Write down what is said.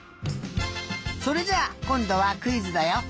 それじゃあこんどはクイズだよ。